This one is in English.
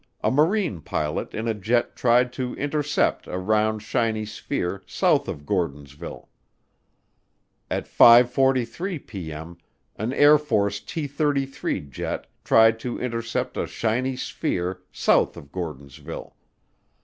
a Marine pilot in a jet tried to intercept a "round shiny sphere" south of Gordonsville. At 5:43P.M. an Air Force T 33 jet tried to intercept a "shiny sphere" south of Gordonsville.